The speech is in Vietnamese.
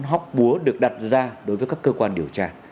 hóc búa được đặt ra đối với các cơ quan điều tra